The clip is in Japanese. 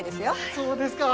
そうですか。